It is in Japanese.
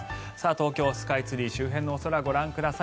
東京スカイツリー周辺のお空ご覧ください。